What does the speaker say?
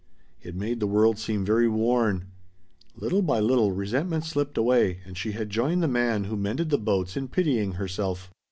It made the world seem very worn. Little by little resentment slipped away and she had joined the man who mended the boats in pitying herself.